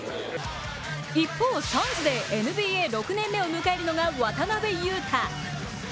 一方、サンズでＮＢＡ６年目を迎えるのは渡邊雄太。